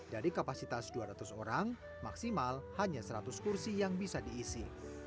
dari kapasitas dua ratus orang maksimal hanya seratus kursi yang bisa diisi